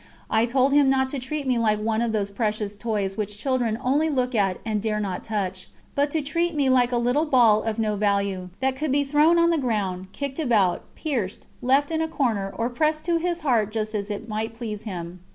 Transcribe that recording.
I told Him not to treat me like one of those precious toys which children only look at and dare not touch, but to treat me like a little ball of no value, that could be thrown on the ground, kicked about, pierced, left in a corner, or pressed to His Heart just as it might please Him.